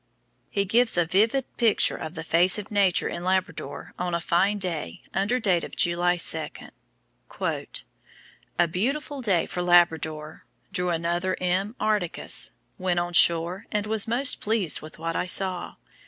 He gives a vivid picture of the face of Nature in Labrador on a fine day, under date of July 2: "A beautiful day for Labrador. Drew another M. articus. Went on shore, and was most pleased with what I saw.